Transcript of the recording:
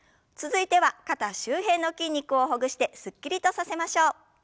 続いては肩周辺の筋肉をほぐしてすっきりとさせましょう。